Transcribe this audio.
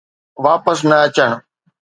واپس نه اچڻ.